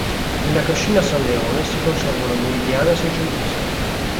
Nella cascina San Leone si conserva una meridiana seicentesca.